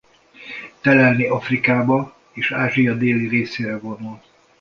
Telelni Afrikába és Ázsia déli részére vonul.